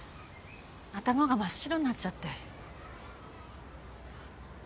頭が真っ白になっちゃって。